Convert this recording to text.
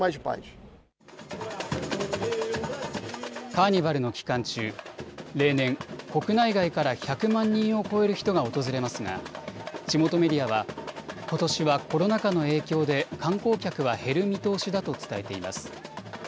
カーニバルの期間中、例年、国内外から１００万人を超える人が訪れますが地元メディアはことしはコロナ禍の影響で観光客は減る見通しだと伝えています。